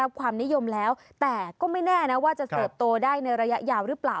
ความนิยมแล้วแต่ก็ไม่แน่นะว่าจะเติบโตได้ในระยะยาวหรือเปล่า